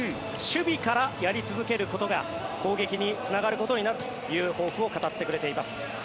守備からやり続けることが攻撃につながることになるという抱負を語ってくれています。